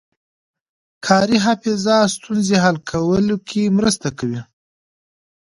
کاري حافظه ستونزې حل کولو کې مرسته کوي.